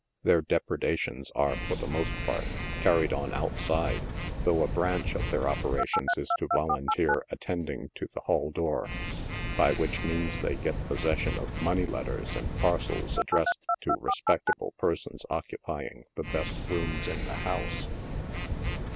Their depredations are, for_ the most part, carried on outside, though a branch of their operations is to volunteer attending to the hall door, by wbich means they get pos session of money letters and parcels addressed to respectable per sons occupying the best rooms in the house.